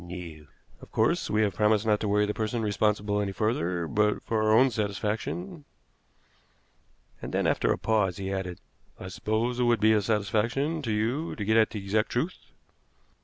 "No." "Of course, we have promised not to worry the person responsible any further, but for our own satisfaction " And then, after a pause, he added: "I suppose it would be a satisfaction to you to get at the exact truth?"